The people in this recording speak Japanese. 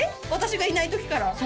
私がいないときから？